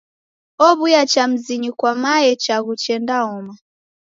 Ow'uya cha mzinyi kwa mae chaghu chendaoma.